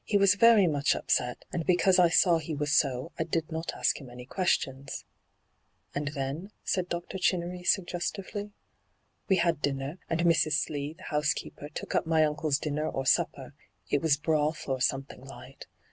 ' He was very much upset, and because I saw be was so I did not ask him any ques' tions.' ' And then V said Dr. Chinnery sug gestively. ' We had dinner, and Mrs. Slee, the house keeper, took up my uncle's dinner or supper — it was broth, or something light.